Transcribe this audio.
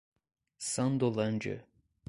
Sandolândia